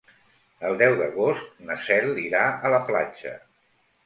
El deu d'agost na Cel irà a la platja.